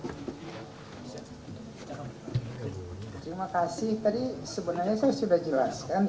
terima kasih tadi sebenarnya saya sudah jelaskan